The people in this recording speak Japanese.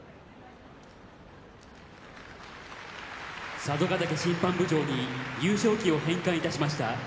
佐渡ヶ嶽審判部長に優勝旗を返還いたしました。